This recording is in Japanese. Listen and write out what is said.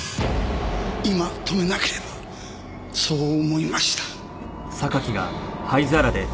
今止めなければそう思いました。